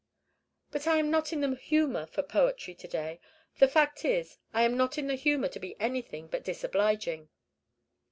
"But I am not in the humor for poetry to day. The fact is, I am not in the humor to be anything but disobliging."